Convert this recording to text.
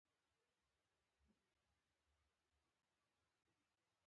دوی په نورو هیوادونو د فشار راوړلو توان نلري